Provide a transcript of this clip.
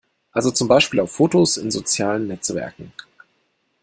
Also zum Beispiel auf Fotos in sozialen Netzwerken.